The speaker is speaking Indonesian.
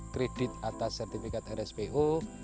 kredit atas sertifikat rspo